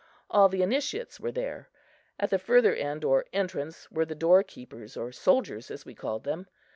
All the initiates were there. At the further end or entrance were the door keepers or soldiers, as we called them.